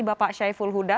bapak syai fulhuda